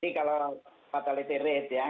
jadi kalau fatality rate ya